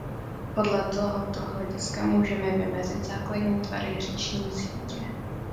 Podle tohoto hlediska můžeme vymezit základní tvary říční sítě.